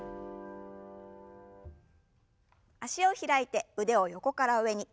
脚を開いて腕を横から上に。